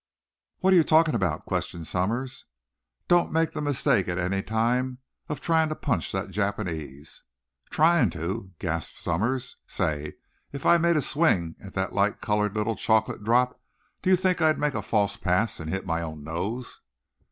"What are you talking about?" questioned Somers. "Don't make the mistake, at any time, Of trying to punch that Japanese." "Trying to?" gasped Somers. "Say, if I made a swing at that light colored little chocolate drop, do you think I'd make a false pass and hit my own nose?"